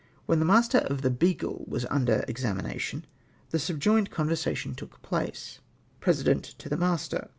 When the master of the Beagle was under examina tion, the subjouied conversation took place :— Peesident {fo f lie Master).